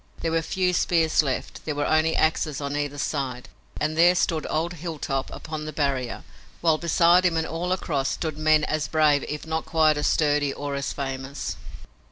There were few spears left. There were only axes on either side. And there stood old Hilltop upon the barrier, while beside him and all across stood men as brave if not quite as sturdy or as famous.